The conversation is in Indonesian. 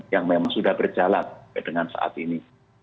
yang memang sudah berjalan dengan saat ini